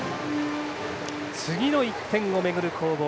次の１点を巡る攻防